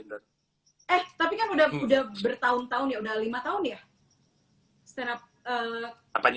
eh tapi kan udah bertahun tahun ya udah lima tahun ya